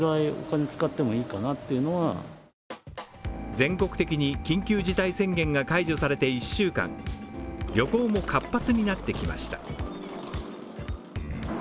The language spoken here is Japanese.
全国的に緊急事態宣言が解除されて１週間旅行も活発になってきました。